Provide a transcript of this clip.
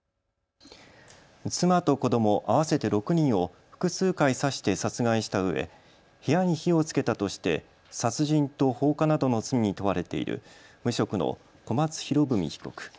妻と子ども合わせて６人を複数回刺して殺害したうえ部屋に火をつけたとして殺人と放火などの罪に問われている無職の小松博文被告。